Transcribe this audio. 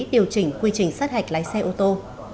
điều chỉnh quy trình sát hạch lái xe ô tô